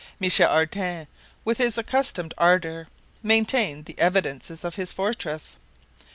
Michel Ardan, with his accustomed ardor, maintained "the evidences" of his fortress.